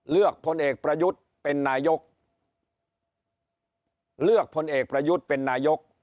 พลเอกประยุทธ์เป็นนายกเลือกพลเอกประยุทธ์เป็นนายก